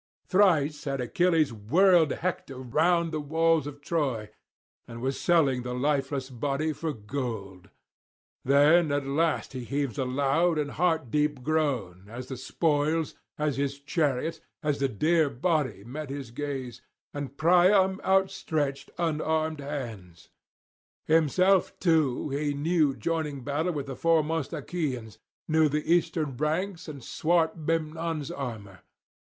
Thrice had Achilles whirled Hector round the walls of Troy, and was selling the lifeless body for gold; then at last he heaves a loud and heart deep groan, as the spoils, as the chariot, as the dear body met his gaze, and Priam outstretching unarmed hands. Himself too he knew joining battle with the foremost Achaeans, knew the Eastern ranks and swart Memnon's armour.